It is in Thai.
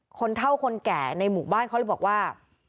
คนเท่าคนแก่ในหมู่บ้านเขาเลยบอกว่า